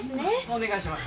お願いします